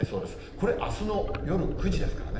これ、あすの夜９時ですからね。